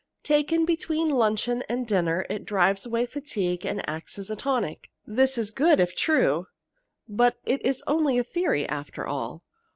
Taken between luncheon and dinner it drives away fatigue and acts as a tonic. This is good if true, but it is only a theory, after all.